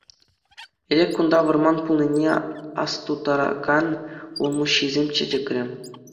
Ӗлӗк кунта вӑрман пулнине астутаракан улмуҫҫисем чечекре.